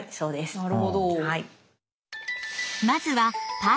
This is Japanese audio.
なるほど。